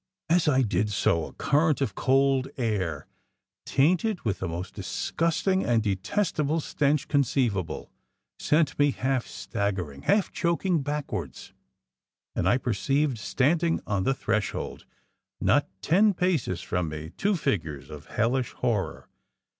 As I did so a current of cold air, tainted with the most disgusting and detestable stench conceivable, sent me half staggering, half choking backwards, and I perceived standing on the threshold, not ten paces from me two figures of hellish horror.